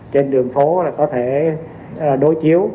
trên đường phố có thể đối chiếu